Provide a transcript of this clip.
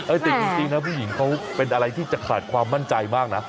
แต่จริงนะผู้หญิงเขาเป็นอะไรที่จะขาดความมั่นใจมากนะ